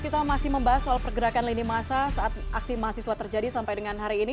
kita masih membahas soal pergerakan lini masa saat aksi mahasiswa terjadi sampai dengan hari ini